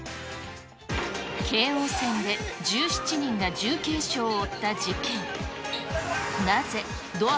京王線で１７人が重軽傷を負